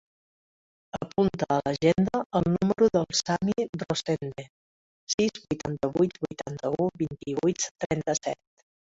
Apunta a l'agenda el número del Sami Rosende: sis, vuitanta-vuit, vuitanta-u, vint-i-vuit, trenta-set.